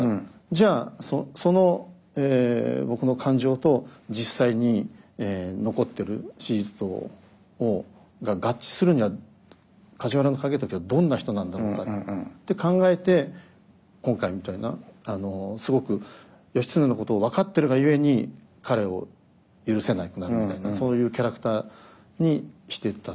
じゃあその僕の感情と実際に残ってる史実が合致するには梶原景時はどんな人なんだろうかって考えて今回みたいなすごく義経のことを分かってるがゆえに彼を許せなくなるみたいなそういうキャラクターにしていった。